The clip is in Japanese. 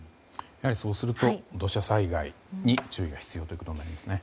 そうすると土砂災害に注意が必要になりますね。